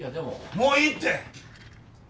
もういいって！